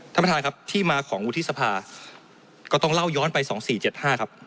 ท่านประธานครับที่มาของวุฒิสภาก็ต้องเล่าย้อนไป๒๔๗๕ครับ